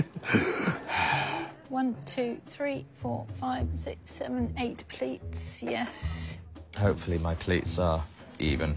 はい？